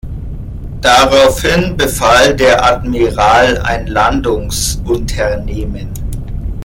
Daraufhin befahl der Admiral ein Landungsunternehmen.